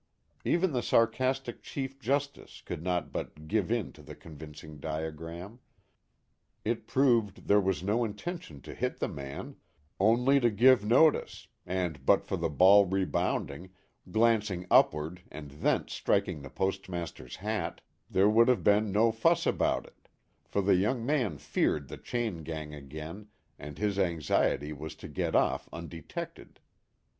(See diagram.) Even the sarcastic Chief Justice could not but give in to the convincing diagram ; it proved there was no intention to hit the man, only to give notice, and but for the ball rebounding, glancing upward and thence striking the Post master's hat, there would have been no fuss 156 THE HAT OF THE POSTMASTER. about it ; for the young man feared the chain gang again and his anxiety was to get off undetected.